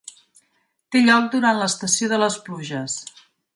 Té lloc durant l'estació de les pluges.